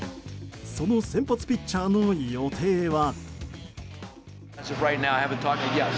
その先発ピッチャーの予定は。